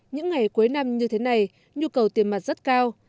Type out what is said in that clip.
những ngày cuối năm như thế này nhu cầu tiền mặt rất cao